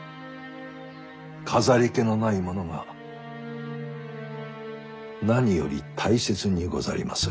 飾り気のないものが何より大切にござりまする。